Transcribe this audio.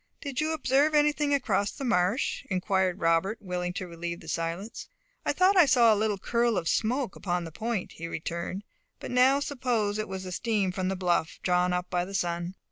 "Did you observe anything across the marsh?" inquired Robert, willing to relieve the silence. "I thought I saw a little curl of smoke upon the point," he returned; "but now suppose it was the steam from the bluff, drawn up by the sun.